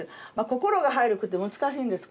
「心」が入る句って難しいんです。